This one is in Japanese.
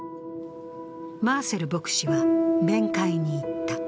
マーセル牧師は面会に行った。